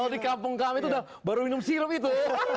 kalau di kampung kami itu udah baru minum sirup itu